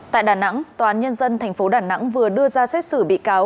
tại đà nẵng tòa án nhân dân tp đà nẵng vừa đưa ra xét xử bị cáo